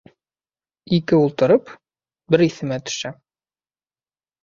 Ике ултырып, бер иҫемә төшә.